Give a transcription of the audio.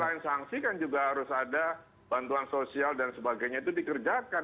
selain sanksi kan juga harus ada bantuan sosial dan sebagainya itu dikerjakan